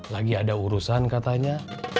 lagi ada urusan katanya